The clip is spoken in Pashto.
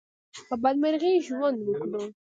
په بدمرغي ژوند وکړو.